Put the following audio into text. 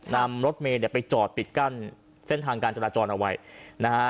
นำรถเมย์เนี่ยไปจอดปิดกั้นเส้นทางการจราจรเอาไว้นะฮะ